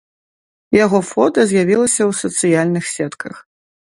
Яго фота з'явілася ў сацыяльных сетках.